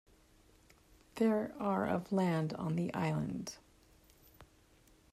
There are of land on the island.